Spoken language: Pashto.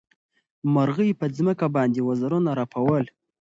مرغۍ په ځمکه باندې وزرونه رپول.